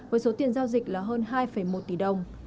với số tiền giao dịch là hơn hai một tỷ đồng